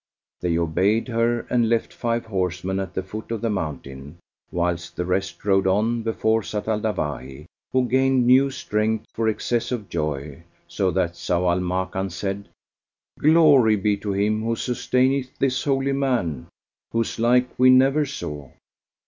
They obeyed her and left five horsemen at the foot of the mountain, whilst the rest rode on before Zat al Dawahi, who gained new strength for excess of joy, so that Zau al Makan said, "Glory be to Him who sustaineth this holy man, whose like we never saw!"